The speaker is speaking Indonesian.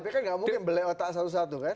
tapi kan gak mungkin beli otak satu satu kan